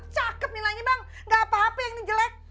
cakep nih lagi bang gak apa apa yang ini jelek